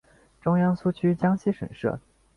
中央苏区江西省设。